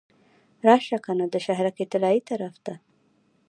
راشه کنه د شهرک طلایې طرف ته.